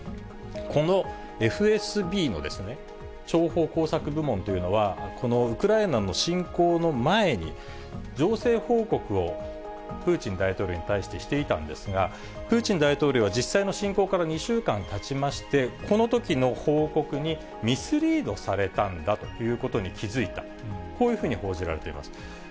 このＦＳＢの諜報・工作部門というのは、このウクライナの侵攻の前に、情勢報告をプーチン大統領に対してしていたんですが、プーチン大統領は、実際の侵攻から２週間たちまして、このときの報告にミスリードされたんだということに気付いた、こういうふうに報じられています。